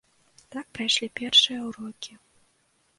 Так прайшлі першыя ўрокі.